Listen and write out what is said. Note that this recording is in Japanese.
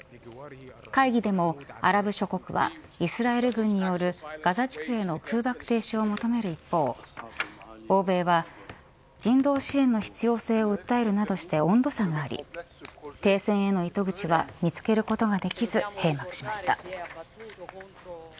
会議でもアラブ諸国はイスラエル軍によるガザ地区への空爆停止を求める一方欧米は人道支援の必要性を訴えるなどして温度差があり、停戦への糸口は見つけることができず閉幕しました。